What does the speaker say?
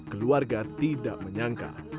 keluarga tidak menyangka